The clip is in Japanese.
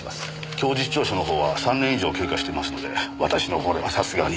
供述調書の方は３年以上経過してますので私の方ではさすがに。